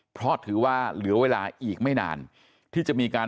เพราะถือว่าเหลือเวลาอีกไม่นานที่จะมีการ